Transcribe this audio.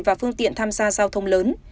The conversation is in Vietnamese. và phương tiện tham gia giao thông lớn